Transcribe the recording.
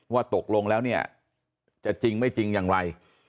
ว่าตกลงแล้วเนี่ยจะจริงไม่จริงอย่างไร